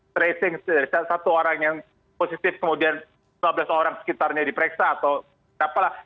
tracing dari satu orang yang positif kemudian dua belas orang sekitarnya diperiksa atau berapa lah